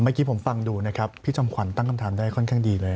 เมื่อกี้ผมฟังดูนะครับพี่จำขวัญตั้งคำถามได้ค่อนข้างดีเลย